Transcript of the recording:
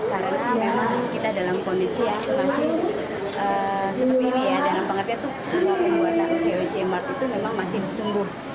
karena memang kita dalam kondisi yang masih seperti ini ya dalam pengertian itu semua pembuatan okoc mart itu memang masih ditumbuh